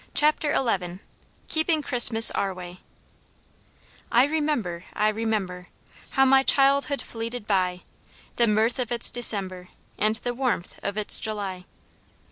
CHAPTER XI Keeping Christmas Our Way "I remember, I remember How my childhood fleeted by, The mirth of its December, And the warmth of its July."